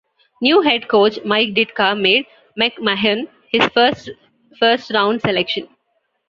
New head coach Mike Ditka made McMahon his first first-round selection.